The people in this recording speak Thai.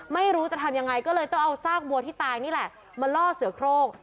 ไม่รู้จะทำยังไงก็เลยต้องเอาซากบัวที่ตายนี่แหละมาล่อเสือโครง